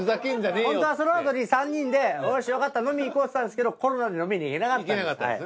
ホントはそのあとに３人でおしよかった飲み行こうって言ってたんですけどコロナで飲みに行けなかったんです。